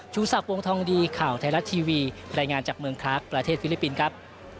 ชูศัพท์วงทองดีข่าวไทยรัตน์ทีวีแรงงานจากเมืองคลาสประเทศฟิลิปปินส์ครับ